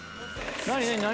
何？